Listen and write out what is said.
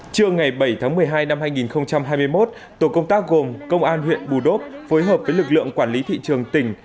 trưa ngày bảy tháng một mươi hai năm hai nghìn hai mươi một tổ công tác gồm công an huyện bù đốp phối hợp với lực lượng quản lý thị trường tỉnh